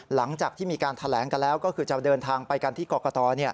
หลังจากที่มีการแถลงกันแล้วก็คือจะเดินทางไปกันที่กรกต